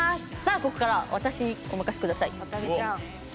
ここからは私にお任せください。